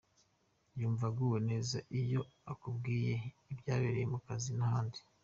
Yumva aguwe neza iyo akubwiye ibyabereye mu kazi, n’ ahandi.